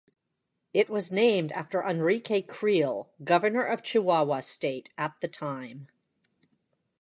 It was named after Enrique Creel governor of Chihuahua state at the time.